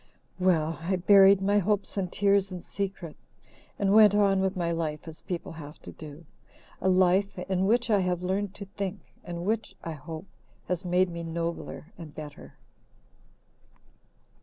Well, I buried my hopes and tears in secret and went on with my life as people have to do a life in which I have learned to think, and which, I hope, has made me nobler and better.